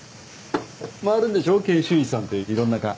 回るんでしょ研修医さんっていろんな科。